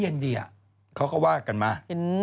ยังเอาตุ๊กแก่ก่อนตุ๊กแก่